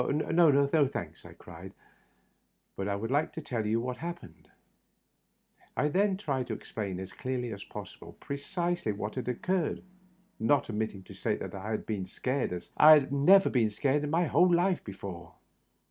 « No, thanks," I cried. " But I would like to tell you what happened." I then tried to explain, as clearly as possible, precisely what had occurred, not omitting to state that I had been scared as I had never been scared in my whole life be fore.